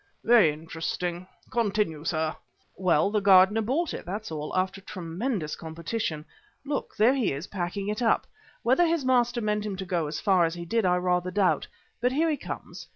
Very interesting; continue, sir." "Well, the gardener bought it, that's all, after tremendous competition. Look, there he is packing it up. Whether his master meant him to go as far as he did I rather doubt. But here he comes.